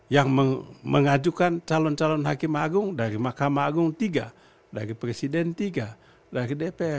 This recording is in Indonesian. yang mengajukan calon calon hakim agung dari mahkamah agung tiga dari presiden tiga dari dpr